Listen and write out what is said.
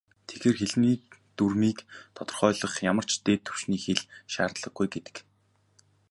Тэгэхээр, хэлний дүрмийг тодорхойлоход ямар ч "дээд түвшний хэл" шаардлагагүй гэдэг.